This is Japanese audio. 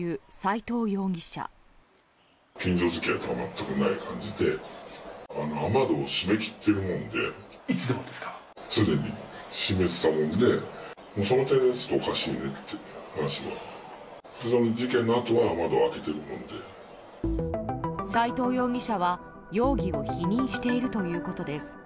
斉藤容疑者は容疑を否認しているということです。